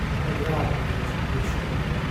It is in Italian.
È grave, invece, imbecille!